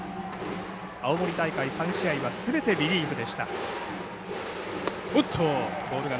青森大会３試合はすべてリリーフでした。